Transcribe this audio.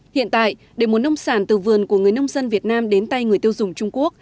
hiện tại để muốn nông sản từ vườn của người nông dân việt nam đến tay người tiêu dùng trung quốc